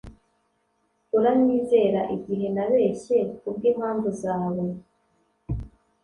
uranyizera igihe nabeshye kubwimpamvu zawe.